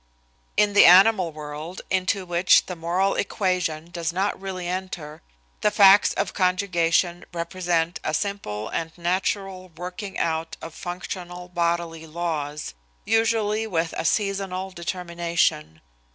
In the animal world, into which the moral equation does not really enter, the facts of conjugation represent a simple and natural working out of functional bodily laws, usually with a seasonal determination.